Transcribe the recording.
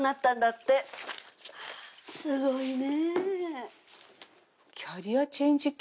すごいねぇ。